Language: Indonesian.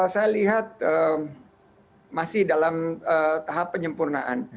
saya lihat masih dalam tahap penyempurnaan